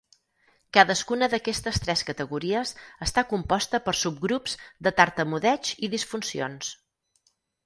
Cadascuna d'aquestes tres categories està composta per subgrups de tartamudeig i disfuncions.